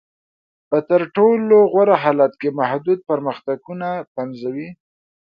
په تر ټولو غوره حالت کې محدود پرمختګونه پنځوي.